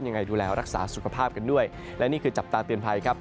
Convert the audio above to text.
ยังไงดูแลรักษาสุขภาพกันด้วยและนี่คือจับตาเตือนภัยครับ